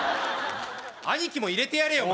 兄貴も入れてやれよ